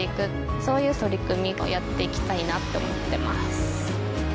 そういう取り組みをやって行きたいなと思ってます。